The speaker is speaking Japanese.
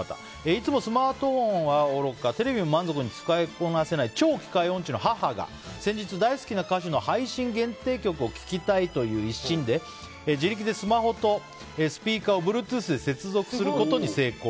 いつもスマートフォンはおろかテレビも満足に使いこなせない超機械音痴の母が先日、大好きな歌手の配信限定曲を聴きたいという一心で自力でスマホとスピーカーをＢｌｕｅｔｏｏｔｈで接続することに成功。